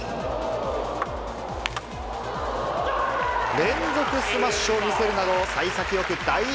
連続スマッシュを見せるなど、さい先よく第１